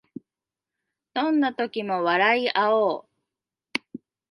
どんな時も笑いあおう